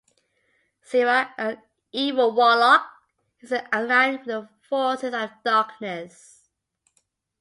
Zerah - an evil warlock, he is aligned with the forces of Darkness.